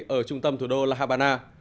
ở trung tâm thủ đô la habana